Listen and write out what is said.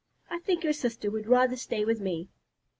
I think your sister would rather stay with me."